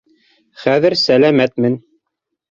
Хәҙер сәләмәтмен.